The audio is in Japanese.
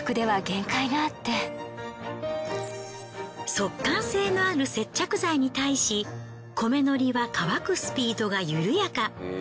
速乾性のある接着剤に対し米糊は乾くスピードが緩やか。